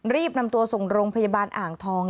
รีบนำตัวส่งโรงพยาบาลอ่างทอง